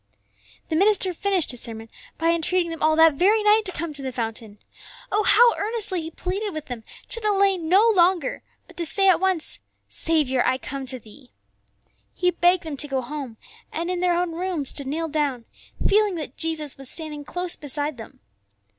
The minister finished his sermon by entreating them all that very night to come to the fountain. Oh, how earnestly he pleaded with them to delay no longer, but to say at once, "Saviour, I come to Thee." He begged them to go home, and in their own rooms to kneel down, feeling that Jesus was standing close beside them.